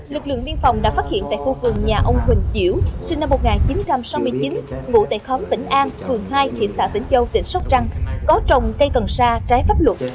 lực lượng biên phòng đã phát hiện tại khu vườn nhà ông huỳnh chiểu sinh năm một nghìn chín trăm sáu mươi chín ngụ tại khóm vĩnh an phường hai thị xã vĩnh châu tỉnh sóc trăng có trồng cây cần sa trái pháp luật